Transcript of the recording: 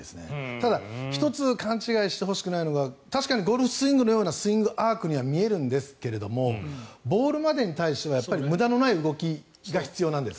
ただ、１つ勘違いしてほしくないのが確かにゴルフスイングのようなスイングアークに見えるんですがボールまでに対しては無駄のない動きが必要なんです。